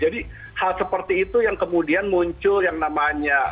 jadi hal seperti itu yang kemudian muncul yang namanya